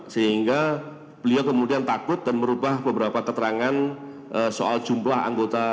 sehingga beliau kemudian takut dan merubah beberapa keterangan soal jumlah anggota